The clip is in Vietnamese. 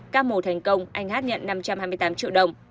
ca mổ thành công anh hát nhận năm trăm hai mươi tám triệu đồng